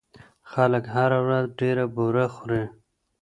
خلک هره ورځ ډېره بوره خوري.